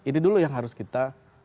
ini dulu yang harus kita